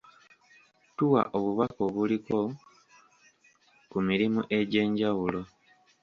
Tuwa obubaka obuliko ku mirimu egy'enjawulo.